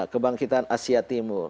kebangkitan asia timur